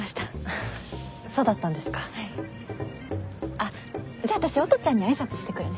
あっじゃあ私音ちゃんに挨拶してくるね。